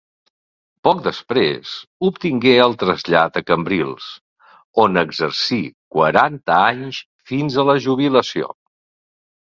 Poc després, obtingué el trasllat a Cambrils, on exercí quaranta anys fins a la jubilació.